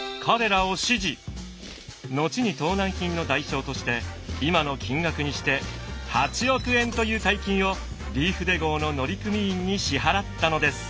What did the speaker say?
後に盗難品の代償として今の金額にして８億円という大金をリーフデ号の乗組員に支払ったのです。